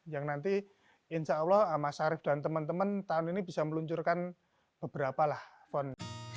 yang nanti insya allah mas arief dan teman teman tahun ini bisa meluncurkan beberapa font